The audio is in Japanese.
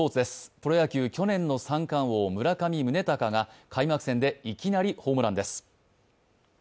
プロ野球、去年の三冠王・ヤクルトの村上宗隆が開幕戦でいきなりホームランです。